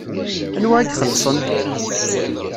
Anwa i ixelṣen?